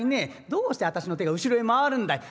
どうしてあたしの手が後ろへ回るんだい」。